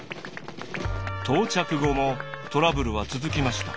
到着後もトラブルは続きました。